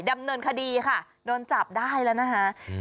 ดำเนินคดีค่ะโดนจับได้แล้วนะคะ